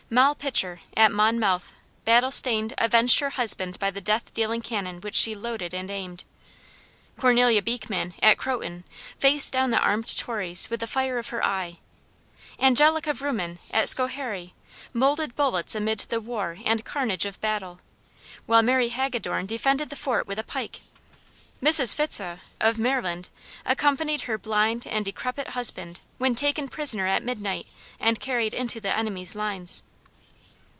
Moll Pitcher, at Monmouth, battle stained, avenged her husband by the death dealing cannon which she loaded and aimed. Cornelia Beekman, at Croton, faced down the armed Tories with the fire of her eye; Angelica Vrooman, at Schoharie, moulded bullets amid the war and carnage of battle, while Mary Hagidorn defended the fort with a pike; Mrs. Fitzhugh, of Maryland, accompanied her blind and decrepit husband when taken prisoner at midnight and carried into the enemy's lines.